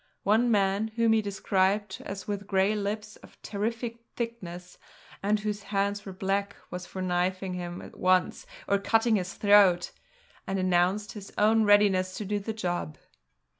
One man, whom he described as with grey lips of terrific thickness, and whose hands were black, was for knifing him at once or cutting his throat, and announced his own readiness to do the job.